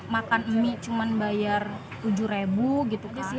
makan mie cuma bayar tujuh gitu sih